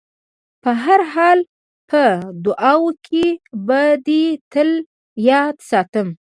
په هر حال په دعاوو کې به دې تل یاد ساتم.